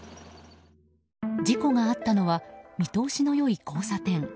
事故があったのは見通しの良い交差点。